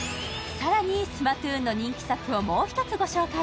更にスマトゥーンの人気作をもう一つご紹介。